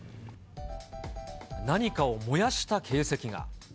何かを燃やした形跡が。